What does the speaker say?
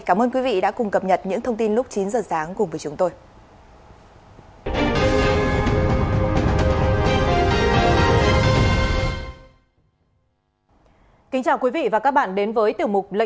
cảm ơn quý vị đã cùng cập nhật những thông tin lúc chín giờ sáng cùng với chúng tôi